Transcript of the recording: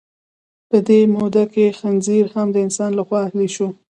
په دې موده کې خنزیر هم د انسان لخوا اهلي شو.